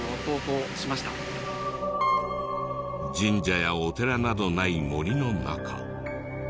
神社やお寺などない森の中。